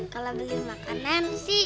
kalau beli makanan sih